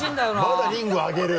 まだリング上げる？